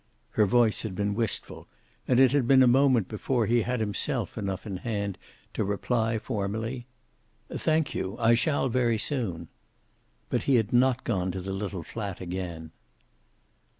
Her voice had been wistful, and it had been a moment before he had himself enough in hand to reply, formally: "Thank you. I shall, very soon." But he had not gone to the little fiat again.